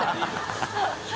ハハハ